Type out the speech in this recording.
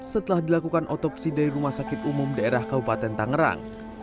setelah dilakukan otopsi dari rumah sakit umum daerah kabupaten tangerang